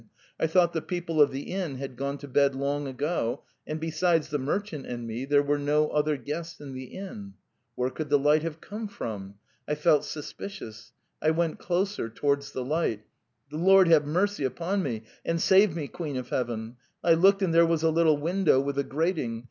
I thought the people of the inn had gone to bed long ago, and besides the merchant and me there were no other guests in the inn. ... Where could the light have come from? I felt suspicious. ... I went closer ... towards the light. ... The Lord have mercy upon me! and save me, Queen of Heaven! I looked and there was a little window with a grat ing